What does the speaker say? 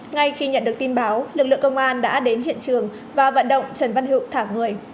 ngay khi nhận được tin báo lực lượng công an đã đến hiện trường và vận động trần văn hữu thả người